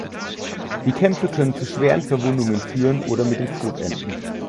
Die Kämpfe können zu schweren Verwundungen führen oder mit dem Tod enden.